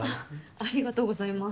ありがとうございます。